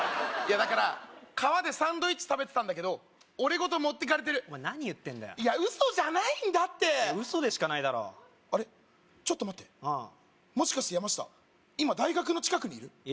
いやだから川でサンドイッチ食べてたんだけど俺ごと持ってかれてるお前何言ってんだよいや嘘じゃないんだって嘘でしかないだろうあれちょっと待ってもしかしてヤマシタ今大学の近くにいる？